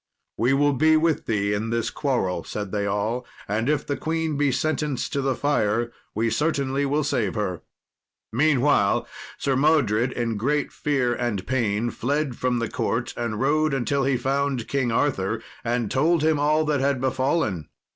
"We will be with thee in this quarrel," said they all; "and if the queen be sentenced to the fire, we certainly will save her." Meanwhile Sir Modred, in great fear and pain, fled from the court, and rode until he found King Arthur, and told him all that had befallen.